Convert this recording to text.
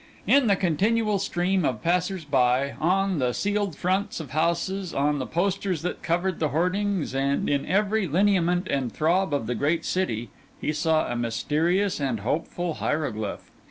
In the continual stream of passers by, on the sealed fronts of houses, on the posters that covered the hoardings, and in every lineament and throb of the great city, he saw a mysterious and hopeful hieroglyph.